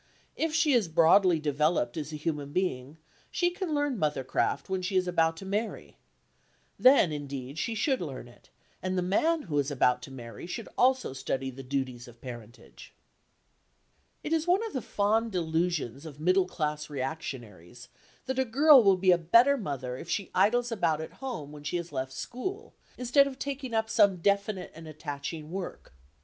If she is broadly developed as a human being, she can learn mothercraft when she is about to marry. Then, indeed, she should learn it, and the man who is about to marry should also study the duties of parentage. It is one of the fond delusions of middle class reactionaries that a girl will be a better mother if she idles about at home when she has left school, instead of taking up some definite and attaching work.